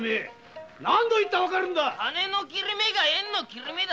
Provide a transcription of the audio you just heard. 金の切れ目が縁の切れ目だ。